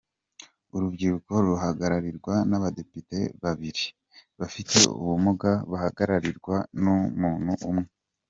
Urubyiruko ruhagararirwa n’abadepite babiri, abafite ubumuga bagahagararirwa n’umuntu umwe.